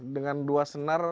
dengan dua senar